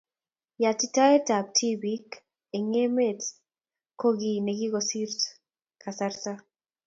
Yatitaetab tibiik eng emet ko kiiy nekikosir kasarta